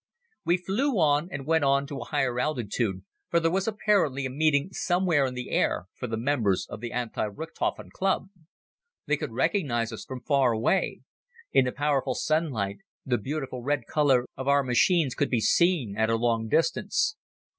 We flew on and went to a higher altitude, for there was apparently a meeting somewhere in the air for the members of the Anti Richthofen Club. They could recognize us from far away. In the powerful sunlight, the beautiful red color of our machines could be seen at a long distance.